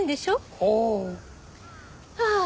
ああ。